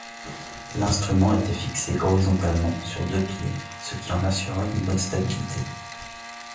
L'instrument était fixé horizontalement sur deux pieds, ce qui en assurait une bonne stabilité.